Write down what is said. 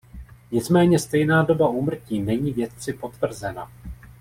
Nicméně stejná doba úmrtí není vědci potvrzena.